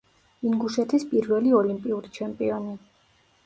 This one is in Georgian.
ინგუშეთის პირველი ოლიმპიური ჩემპიონი.